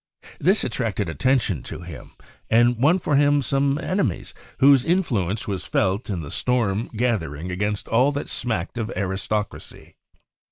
This attracted atten tion to him and won for him some enemies whose influence was felt in the storm gathering against all that smacked of aristocracy.